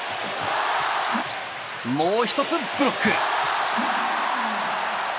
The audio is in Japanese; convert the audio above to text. もう１つブロック！